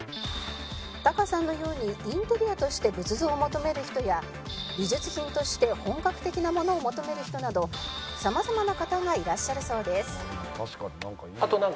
「タカさんのようにインテリアとして仏像を求める人や美術品として本格的なものを求める人などさまざまな方がいらっしゃるそうです」